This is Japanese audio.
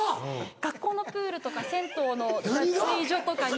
学校のプールとか銭湯の脱衣所とかに。